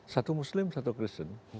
satu muslim satu kristen